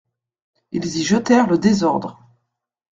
Ils y jetèrent le désordre.